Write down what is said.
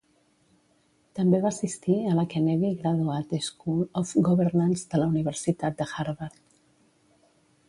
També va assistir a la Kennedy Graduate School of Governance de la Universitat de Harvard.